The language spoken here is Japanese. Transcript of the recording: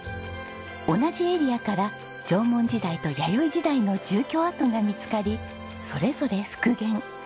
同じエリアから縄文時代と弥生時代の住居跡が見つかりそれぞれ復元。